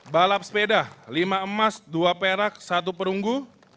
balap sepeda lima emas dua perak satu perunggu